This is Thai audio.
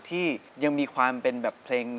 ที่ยังมีความเป็นแบบเพลง